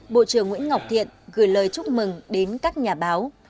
bộ trưởng nguyễn ngọc thiện gửi lời chúc mừng đến các nhà báo